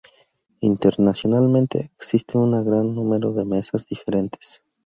Internacionalmente, existe un gran número de mesas diferentes.